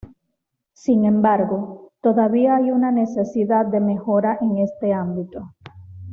Sin embargo, todavía hay una necesidad de mejora en este ámbito.